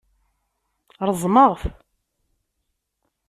Reẓmeɣ-t.